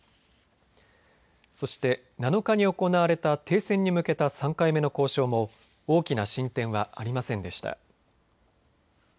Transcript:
そして７日に行われた停戦に向けた３回目の交渉も大きな進展はありませんでした。